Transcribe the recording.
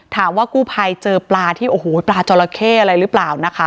ถามว่ากู้ภัยเจอปลาที่โอ้โหปลาจอราเข้อะไรหรือเปล่านะคะ